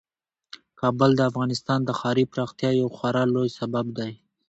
کابل د افغانستان د ښاري پراختیا یو خورا لوی سبب دی.